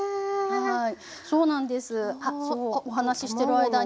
はい。